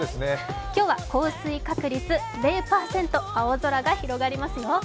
今日は降水確率０％、青空が広がりますよ。